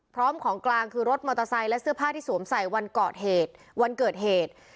พร้อมของกลางคือรถมอเตอร์ไซค์และเสื้อผ้าที่สวมใส่วันก่อเหตุวันเกิดเหตุ